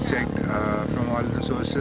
dan karena ini aman untuk diberikan di sini